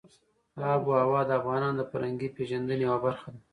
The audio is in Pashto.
آب وهوا د افغانانو د فرهنګي پیژندنې یوه برخه ده.